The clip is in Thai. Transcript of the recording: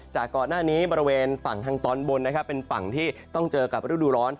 ก่อนหน้านี้บริเวณฝั่งทางตอนบนนะครับเป็นฝั่งที่ต้องเจอกับฤดูร้อน